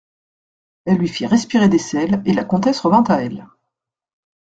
Elle lui fit respirer des sels, et la comtesse revint à elle.